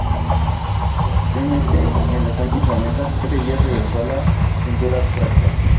Posteriormente, en los años noventa Pepe Díaz regresó a la pintura abstracta.